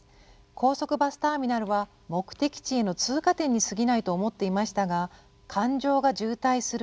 「高速バスターミナルは目的地への通過点にすぎないと思っていましたが『感情が渋滞する』